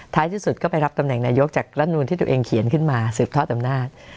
ที่สุดก็ไปรับตำแหน่งนายกจากรัฐนูลที่ตัวเองเขียนขึ้นมาสืบทอดอำนาจ